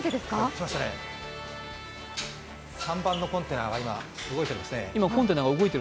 ３番のコンテナが今、動いていますね。